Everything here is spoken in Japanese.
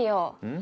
ん？